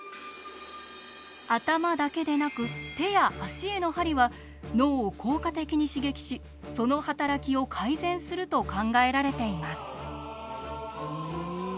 頭だけでなく手や足への鍼は脳を効果的に刺激しその働きを改善すると考えられています。